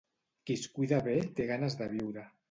Qui es cuida bé té ganes de viure.